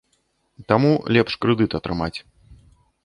Таму лепш крэдыт атрымаць.